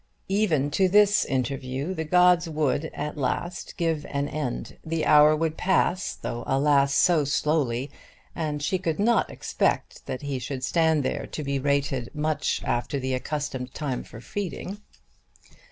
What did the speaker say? Even to this interview the gods would at last give an end. The hour would pass, though, alas, so slowly, and she could not expect that he should stand there to be rated much after the accustomed time for feeding.